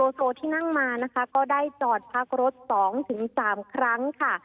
โซที่นั่งมานะคะก็ได้จอดพักรถ๒๓ครั้งค่ะ